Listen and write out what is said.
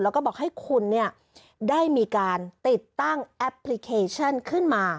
แล้วก็บอกให้คุณได้มีการติดตั้งแอปพลิเคชันขึ้นมา